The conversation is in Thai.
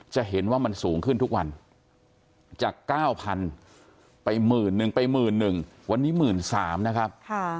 จะเห็นว่ามันสูงขึ้นทุกวันจาก๙๐๐๐ไป๑๑๐๐๐ไป๑๑๐๐๐วันนี้๑๓๐๐๐นะครับ